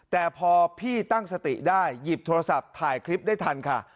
แต่พอพี่ตั้งสติได้หยิบโทรศัพท์ถ่ายคลิปได้ทันค่ะ